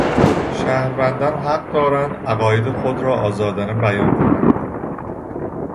شهروندان حق دارند عقاید خود را آزادانه بیان کنند.